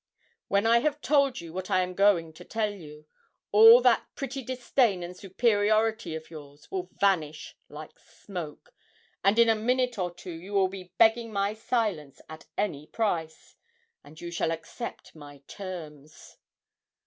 When I have told you what I am going to tell you, all that pretty disdain and superiority of yours will vanish like smoke, and in a minute or two you will be begging my silence at any price, and you shall accept my terms!'